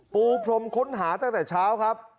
ปูพรมค้นหาตั้งแต่เช้าครับ